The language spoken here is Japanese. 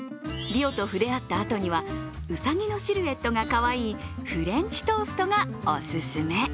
リオと触れ合ったあとにはうさぎのシルエットがかわいいフレンチトーストがお勧め。